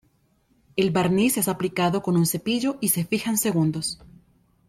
El barniz es aplicado con un cepillo y se fija en segundos.